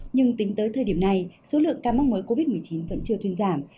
nhưng tính tới thời điểm này số lượng ca mắc mới covid một mươi chín vẫn chưa thuyên giảm